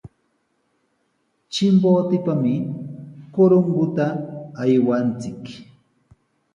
Chimbotepami Corongota aywanchik.